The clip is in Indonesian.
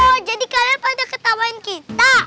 oh jadi kalian pada ketawain kita